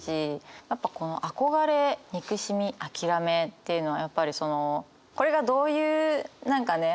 やっぱこの「憧れ」「憎しみ」「諦め」っていうのはやっぱりそのこれがどういう何かね